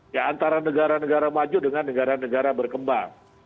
ya antara negara negara maju dengan negara negara berkembang